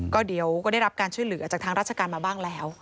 ก็เดี๋ยวก็ได้รับการช่วยเหลือจากทางราชการมาบ้างแล้ว